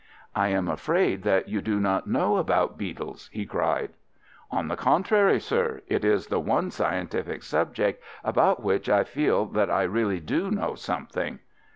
"I am afraid that you do not know about beetles," he cried. "On the contrary, sir, it is the one scientific subject about which I feel that I really do know something."